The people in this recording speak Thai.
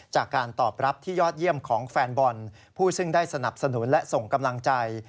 จากการตอบรับที่ยอดเยี่ยมของแฟนบอลผู้ซึ่งได้สนับสนุนและส่งกำลังใจ